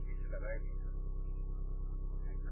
• تازي د ښکار پر وخت غول ونيسي.